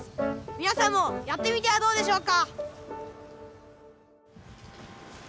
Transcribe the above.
皆さんもやってみてはどうでしょうか。